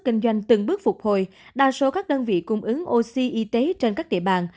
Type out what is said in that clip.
kinh doanh từng bước phục hồi đa số các đơn vị cung ứng oxy y tế trên các địa bàn